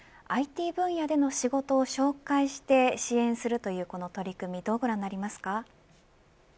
ＩＴ分野での仕事を紹介して支援するというこの取り組みどうご覧になりますか。